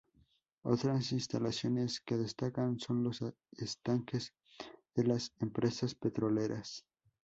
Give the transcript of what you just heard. Otras instalaciones que destacan son los estanques de las empresas petroleras.